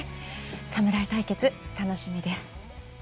侍対決、楽しみです。